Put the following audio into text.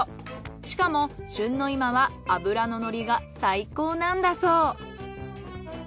しかも旬の今は脂ののりが最高なんだそう。